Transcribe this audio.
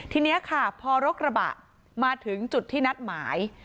ทีนี้ค่ะพอรถกระบะมาถึงจุดที่นัดหมาย